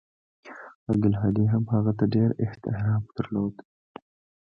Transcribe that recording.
عبدالهادي هم هغه ته ډېر احترام درلود.